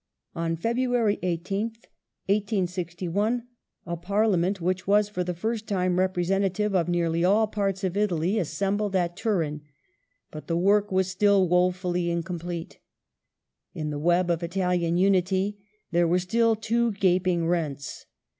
^ On February 18th, 1861, a Parliament which was for the first time representative of nearly all parts of Italy assembled at Turin. But the work was still woefully incomplete. In the web of Italian Unity there were still two gaping rents.